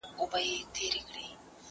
زه اوس ږغ اورم!